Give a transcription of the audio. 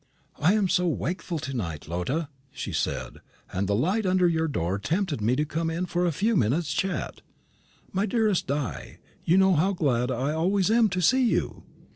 "I am so wakeful to night, Lotta," she said; "and the light under your door tempted me to come in for a few minutes' chat." "My dearest Di, you know how glad I always am to see you."